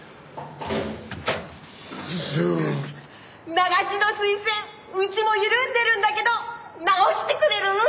流しの水栓うちも緩んでるんだけど直してくれる？